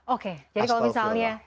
oke jadi kalau misalnya